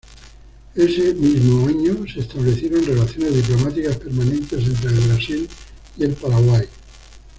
Ese mismo año se establecieron relaciones diplomáticas permanentes entre el Brasil y el Paraguay.